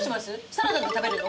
サラダで食べるの？